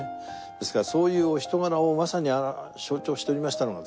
ですからそういうお人柄をまさに象徴しておりましたのがですね